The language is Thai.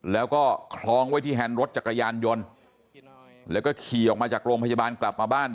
แล้วก็คล้องไว้ที่แฮนด์รถจักรยานยนต์แล้วก็ขี่ออกมาจากโรงพยาบาลกลับมาบ้าน